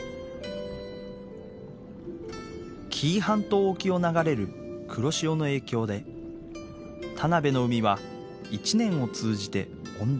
紀伊半島沖を流れる黒潮の影響で田辺の海は一年を通じて温暖。